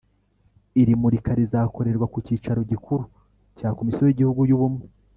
Iri murika rizakorerwa ku cyicaro gikuru cya Komisiyo y Igihugu y Ubumwe